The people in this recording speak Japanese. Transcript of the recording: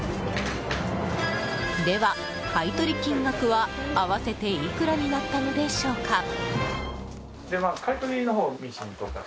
では、買い取り金額は合わせていくらになったのでしょうか？